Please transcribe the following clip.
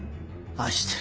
愛してる。